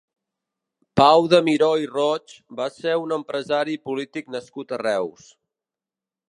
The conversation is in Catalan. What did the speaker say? Pau de Miró i Roig va ser un empresari i polític nascut a Reus.